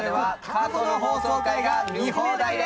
過去の放送回が見放題です。